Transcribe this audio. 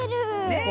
ねえ。